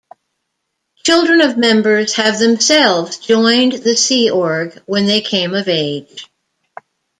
Children of members have themselves joined the Sea Org when they came of age.